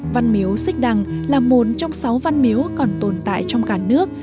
văn miếu xích đằng là một trong sáu văn miếu còn tồn tại trong cả nước